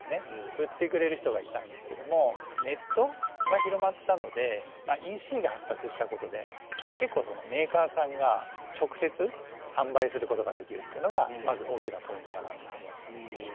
売ってくれる人がいたんですけどもネットが広まったのでＥＣが発達したことで結構そのメーカーさんが直接販売することができるっていうのがまず大きなポイントかなと思いますね。